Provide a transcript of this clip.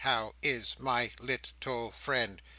how, is, my, lit, tle, friend?"